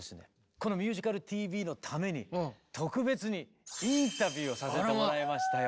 この「ミュージカルＴＶ」のために特別にインタビューをさせてもらいましたよ。